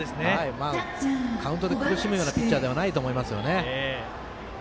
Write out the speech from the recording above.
カウントで苦しむようなピッチャーではないと思いますよね。